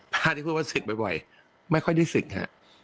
พระอาทิตย์พูดว่าศึกบ่อยไม่ค่อยได้ศึกครับ